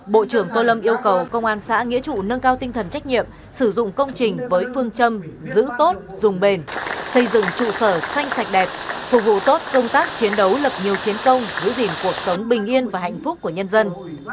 bộ trưởng tô lâm yêu cầu công an xã nghĩa trụ nâng cao tinh thần trách nhiệm sử dụng công trình với phương châm giữ tốt dùng bền xây dựng trụ sở xanh sạch đẹp phục vụ tốt công tác chiến đấu lập nhiều chiến công giữ gìn cuộc sống bình yên và hạnh phúc của nhân dân